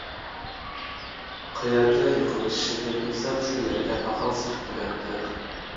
قەيەرگە يىقىلىشىمنى بىلسەم، شۇ يەرگە پاخال سېلىپ قوياتتىم.